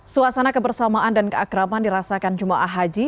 suasana kebersamaan dan keakraman dirasakan jemaah haji